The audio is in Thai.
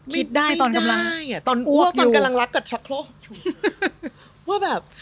คิดได้ตอนกำลังักอยู่